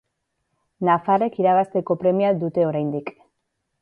Nafarrek irabazteko premia dute oraindik.